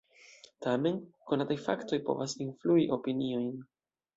Tamen, konataj faktoj povas influi opiniojn.